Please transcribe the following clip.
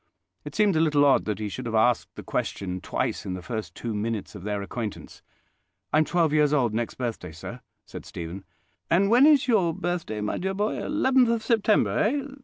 It seemed a little odd that he should have asked the question twice in the first two minutes of their acquaintance. "I'm twelve years old next birthday, sir," said Stephen. "And when is your birthday, my dear boy? Eleventh of September, eh?